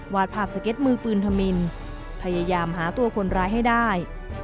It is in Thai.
วาดภาพสเก็ตมือปืนธมินพยายามหาตัวคนร้ายให้ได้